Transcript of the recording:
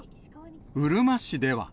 うるま市では。